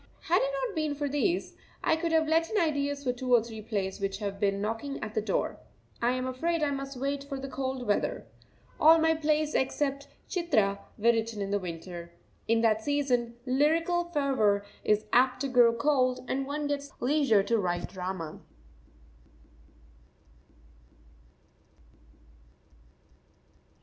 Had it not been for these, I could have let in ideas for two or three plays which have been knocking at the door. I am afraid I must wait for the cold weather. All my plays except "Chitra" were written in the winter. In that season lyrical fervour is apt to grow cold, and one gets the leisure to write drama.